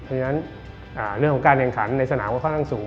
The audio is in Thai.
เพราะฉะนั้นเรื่องของการแข่งขันในสนามก็ค่อนข้างสูง